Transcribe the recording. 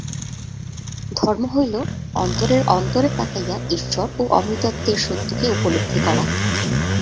ধর্ম হইল অন্তরের অন্তরে তাকাইয়া ঈশ্বর ও অমৃতত্বের সত্যকে উপলব্ধি করা।